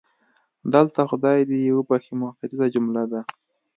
دلته خدای دې یې وبښي معترضه جمله ده.